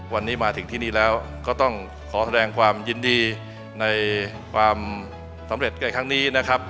วันนี้มาถึงที่นี่แล้วก็ต้องขอแสดงความยินดีในความสำเร็จในครั้งนี้นะครับ